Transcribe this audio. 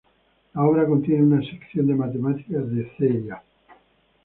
La obra contiene una sección de matemáticas de "ca.